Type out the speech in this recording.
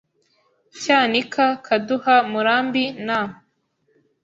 Cyanika Kaduha Murambi na